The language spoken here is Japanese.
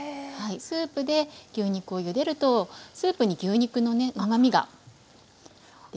スープで牛肉をゆでるとスープに牛肉のね甘みが増しますね。